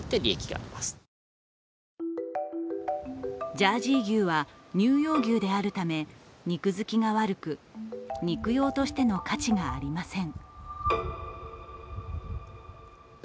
ジャージー牛は乳用牛であるため肉づきが悪く、肉用としての価値がありません。